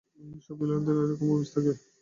সব বিলিয়নিয়ারদেরই এরকম অফিস থাকে।